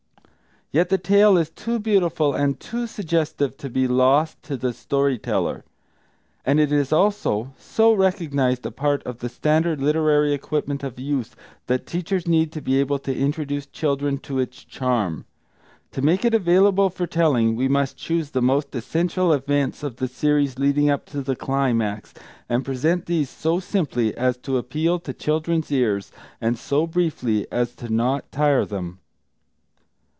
Yet the tale is too beautiful and too suggestive to be lost to the story teller. And it is, also, so recognised a part of the standard literary equipment of youth that teachers need to be able to introduce children to its charm. To make it available for telling, we must choose the most essential events of the series leading up to the climax, and present these so simply as to appeal to children's ears, and so briefly as not to tire them.